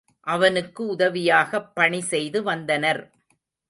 அவனுக்கு உதவியாகப் பணி செய்து வந்தனர்.